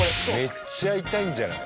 めっちゃ痛いんじゃない？